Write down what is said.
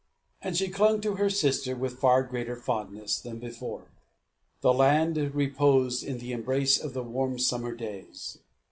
And she clung to her sister with far greater fondness than before. The land reposed in the embrace of the warm summer days.